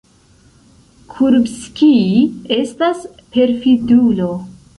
Kurbskij estas perfidulo.